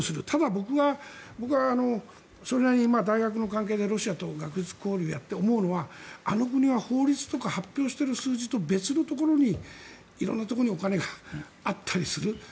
ただ、僕はそれなりに大学の関係でロシアと学術交流をやって思うのはあの国は法律とか発表している数字と別のところに色んなところにお金があったりする。